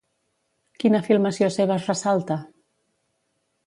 Quina filmació seva es ressalta?